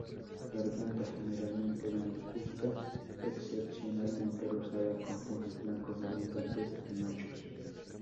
Garganta generalmente blancuzca, excepcionalmente rosada, con puntos blancos abundantes en machos.